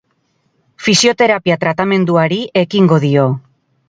Fisioterapia tratamenduari ekingo dio.